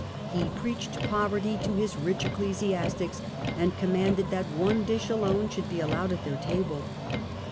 He preached poverty to his rich ecclesiastics and commanded that one dish alone should be allowed at their table.